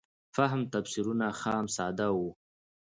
فهم تفسیرونه خام ساده وو.